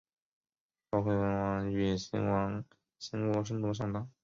赵惠文王欲与秦国争夺上党。